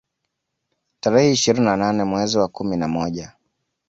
Tarehe ishirini na nane mwezi wa kumi na moja